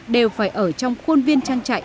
đều phải ở trong khuôn viên trang trại